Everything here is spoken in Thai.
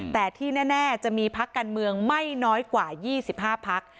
แต่ที่แน่จะมีพักการเมืองไม่น้อยกว่า๒๕พัก